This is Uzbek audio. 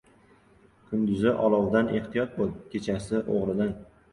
• Kunduzi olovdan ehtiyot bo‘l, kechasi — o‘g‘ridan.